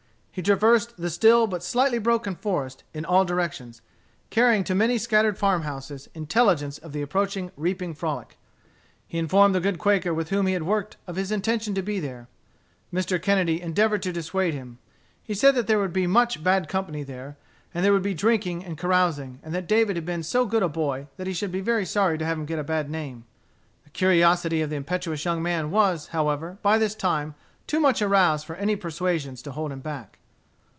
He traversed the still but slightly broken forest in all directions, carrying to many scattered farm houses intelligence of the approaching reaping frolic. He informed the good Quaker with whom he had worked of his intention to be there. Mr. Kennedy endeavored to dissuade him. He said that there would be much bad company there; that there would be drinking and carousing, and that David had been so good a boy that he should be very sorry to have him get a bad name. The curiosity of the impetuous young man was, however, by this time, too much aroused for any persuasions to hold him back.